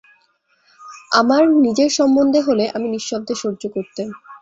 আমার নিজের সম্মন্ধে হলে আমি নিঃশব্দে সহ্য করতেম।